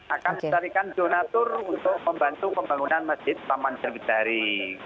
akan mencarikan donatur untuk membantu pembangunan masjid taman sriwijari